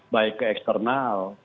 baik ke eksternal